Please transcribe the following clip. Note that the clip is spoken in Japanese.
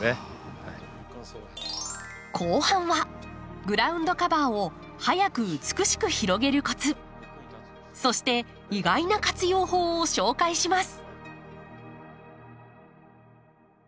後半はグラウンドカバーを早く美しく広げるコツそして意外な活用法を紹介します。